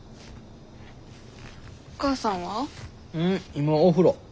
今お風呂。